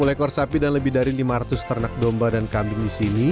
dua puluh ekor sapi dan lebih dari lima ratus ternak domba dan kambing di sini